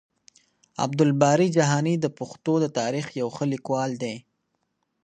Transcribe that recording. عبدالباري جهاني د پښتنو د تاريخ يو ښه ليکوال دی.